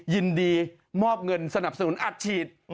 ยินดีมอบเงินสนับสนุนอัดฉีด